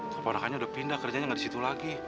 keponakannya udah pindah kerjanya nggak di situ lagi